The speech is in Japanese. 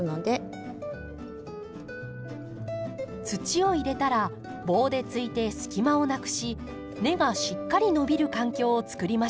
土を入れたら棒でついて隙間をなくし根がしっかり伸びる環境をつくりましょう。